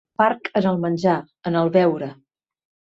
Parc en el menjar, en el beure.